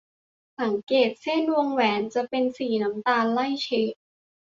สังเกตเส้นวงแหวนจะเป็นสีน้ำตาลไล่เฉด